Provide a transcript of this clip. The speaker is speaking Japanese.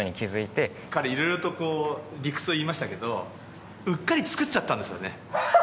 彼色々とこう理屈を言いましたけどうっかり作っちゃったんですよね。